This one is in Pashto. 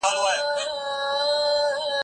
د مقالي برخې باید په دقت سره وکتل سي.